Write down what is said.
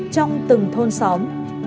trong từng thôn xóm